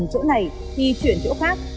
dùng chỗ này thì chuyển chỗ khác